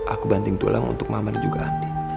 aku banting tulang untuk mama dan juga andi